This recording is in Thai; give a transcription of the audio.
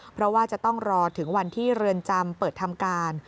เพราะว่าจะต้องรอถึงวันที่เรือนจำเปิดทำการ